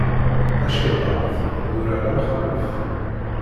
Tacirḍart d urar amxalef.